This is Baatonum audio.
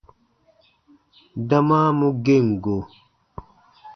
Dama mu gem go.